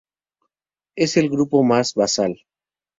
Es el grupo más basal.